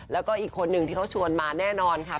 แล้วก็อีกคนหนึ่งที่เขาชวนมาแน่นอนค่ะ